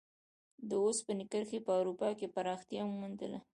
د اوسپنې کرښې په اروپا کې پراختیا وموندله.